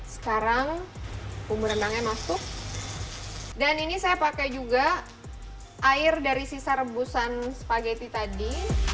sekarang bumbu renangnya masuk dan ini saya pakai juga air dari sisa rebusan spageti tadi